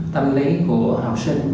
tâm lý của học sinh